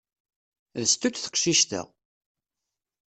D sstut teqcict-a!